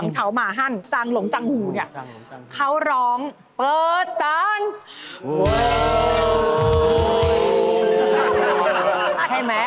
ใช่ไหม